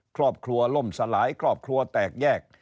ครอบครัวล่มสลายครอบครัวแตกแยก